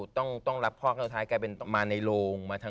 ตอนนั้นพี่อายุเท่าไหร่คะ